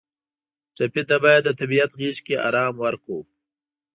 ټپي ته باید د طبیعت غېږ کې آرام ورکړو.